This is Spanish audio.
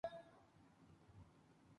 Empezó a estudiar pintura en su ciudad natal.